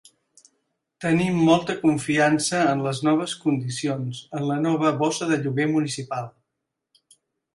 Tenim molta confiança en les noves condicions en la nova bossa de lloguer municipal.